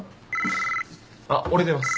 あっ俺出ます。